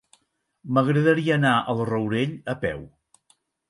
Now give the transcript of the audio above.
M'agradaria anar al Rourell a peu.